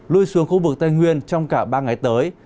lui xuống khu vực tây nguyên trong cả ba ngày tới